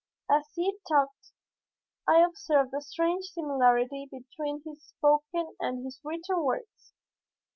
As we talked I observed the strange similarity between his spoken and his written words.